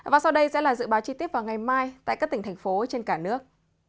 và sau đây sẽ là dự báo chi tiết vào ngày mai tại các tỉnh thành phố trên cả nước